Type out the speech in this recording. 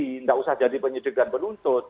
tidak usah jadi penyidik dan penuntut